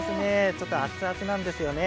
ちょっと熱々なんですよね。